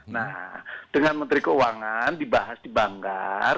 nah dengan menteri keuangan dibahas di banggar